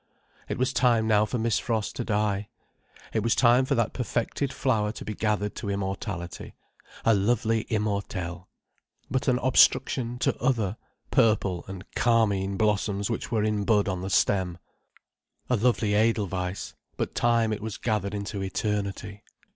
It was time now for Miss Frost to die. It was time for that perfected flower to be gathered to immortality. A lovely immortel. But an obstruction to other, purple and carmine blossoms which were in bud on the stem. A lovely edelweiss—but time it was gathered into eternity.